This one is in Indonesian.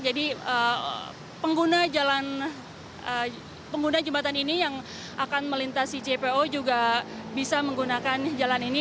jadi pengguna jembatan ini yang akan melintasi jpo juga bisa menggunakan jalan ini